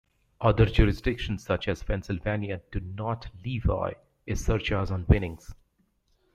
Other jurisdictions such as Pennsylvania do not levy a surcharge on winnings.